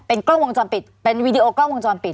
กล้องวงจรปิดเป็นวีดีโอกล้องวงจรปิด